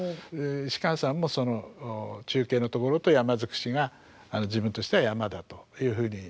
芝さんもその中啓のところと山尽しが自分としては山だというふうに言ってられるから。